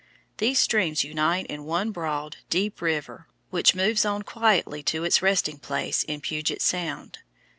These streams unite in one broad, deep river, which moves on quietly to its resting place in Puget Sound.